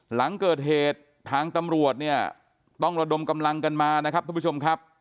หลังเกิดเหตุทางตำรวจเนี่ยต้องระดมกำลังกันมานะครับทุกผู้ชมครับ